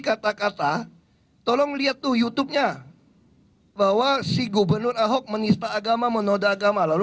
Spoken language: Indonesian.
kata kata tolong lihat tuh youtubenya bahwa si gubernur ahok menista agama menoda agama lalu